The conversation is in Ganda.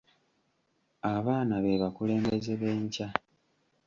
Abaana be bakulembeze b'enkya.